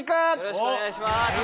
よろしくお願いします。